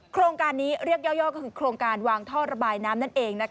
โครงการนี้เรียกย่อก็คือโครงการวางท่อระบายน้ำนั่นเอง